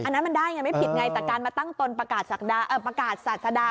อันนั้นมันได้ไงไม่ผิดไงแต่การมาตั้งตนประกาศศาสดา